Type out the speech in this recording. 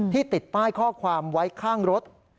ติดป้ายข้อความไว้ข้างรถ